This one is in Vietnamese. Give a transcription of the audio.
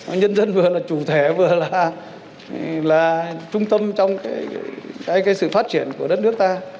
nhân dân vừa là chủ thể vừa là trung tâm trong sự phát triển của đất nước ta